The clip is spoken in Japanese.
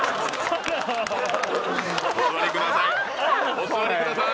お座りください